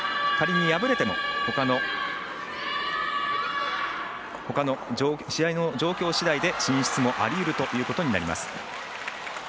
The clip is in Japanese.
仮に敗れてもほかの試合の状況しだいで進出もありうるということになります。